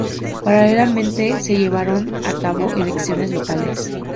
Paralelamente se llevaron a cabo elecciones locales.